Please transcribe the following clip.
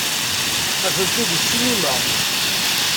Atenti deg ssinima.